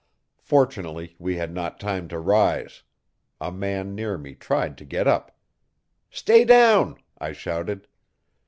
Fortunately we had not time to rise. A man near me tried to get up. 'Stay down!' I shouted.